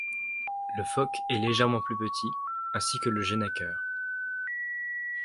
Le foc est légèrement plus petit, ainsi que le gennaker.